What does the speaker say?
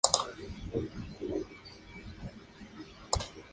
Su estilo se basaba en juegos de palabras y "humor absurdo".